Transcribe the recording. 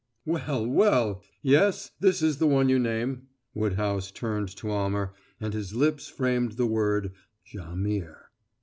"Well, well! Yes, this is the one you name." Woodhouse turned to Almer, and his lips framed the word Jaimihr.